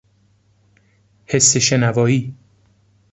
حس شنوایی